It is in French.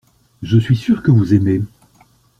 Je suis sûr que vous aimez.